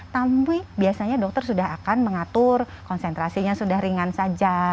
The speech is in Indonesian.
tapi biasanya dokter sudah akan mengatur konsentrasinya sudah ringan saja